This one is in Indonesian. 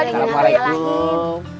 siti belum pernah naik mobil ac